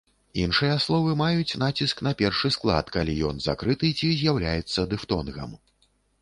Іншыя словы маюць націск на першы склад, калі ён закрыты ці з'яўляецца дыфтонгам.